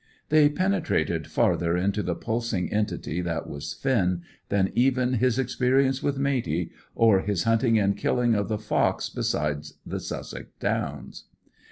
They penetrated farther into the pulsing entity that was Finn than even his experience with Matey, or his hunting and killing of the fox beside the Sussex Downs.